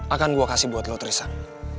akan gue kasih buat lo trisak